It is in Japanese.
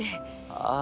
ああ。